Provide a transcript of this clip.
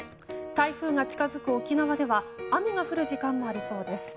台風が近づく沖縄では雨が降る時間もありそうです。